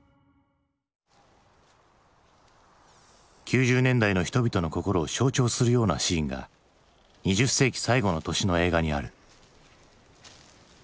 ９０年代の人々の心を象徴するようなシーンが２０世紀最後の年の映画にある。